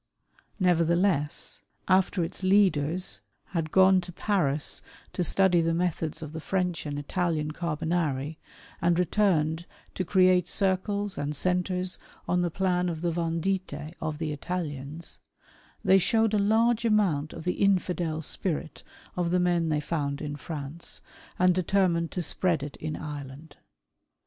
Nevertheless, after its leaders had gone to 140 WAR OF ANIICIIRIST WITH THE CHURCH, Paris to study the methods of the French and Italian Carbonari, and returned to create circles and centres on the plan of the Vendite of the Italians, they showed a large amount of the Infidel spirit of the men they found in France, and determined to spread it in Ireland.